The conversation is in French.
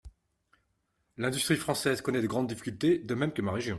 L’industrie française connaît de grandes difficultés, de même que ma région.